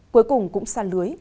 cuối cùng cũng sa lưới